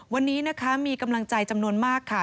วันนี้นะคะมีกำลังใจจำนวนมากค่ะ